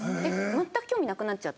全く興味なくなっちゃって。